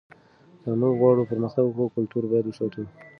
که موږ غواړو پرمختګ وکړو کلتور باید وساتو.